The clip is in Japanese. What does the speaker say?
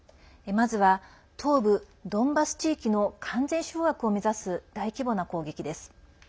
まずは、東部ドンバス地域の完全掌握を目指す大規模な攻撃です。